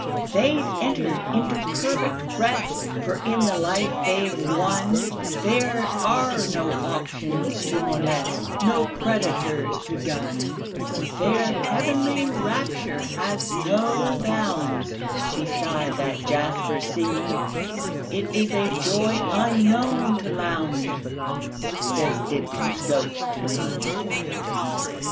"They 've entered into perfect rest; For in the life they 've wonThere are no auctions to molest, No creditors to dun. Their heavenly rapture has no boundsBeside that jasper sea; It is a joy unknown to Lowndes,"Says Dibdin's ghost to me.